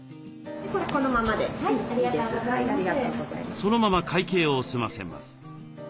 そのまま会計を済ませます。